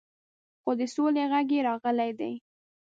خو د سولې غږ یې راغلی دی.